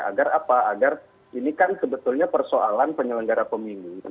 agar apa agar ini kan sebetulnya persoalan penyelenggara pemilu